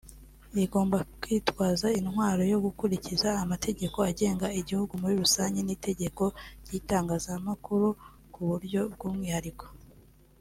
rigomba kwitwaza intwaro yo gukurikiza amategeko agenga igihugu muri rusange n’itegeko ry’Itangazamakuru ku buryo bw’umwihariko